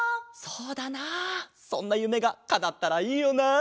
そうだなそんなゆめがかなったらいいよな。